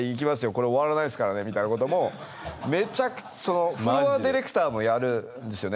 これ終わらないですからねみたいなこともフロア・ディレクターもやるんですよね